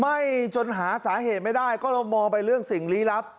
้จนหาสาเหตุไม่ได้ก็เรามองไปเรื่องสิ่งลี้ลับ